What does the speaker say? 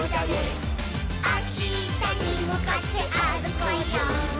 「あしたにむかってあるこうよ」